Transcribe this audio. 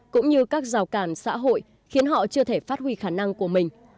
cũng như các rào cản xã hội khiến họ chưa thể phát huy khả năng của mình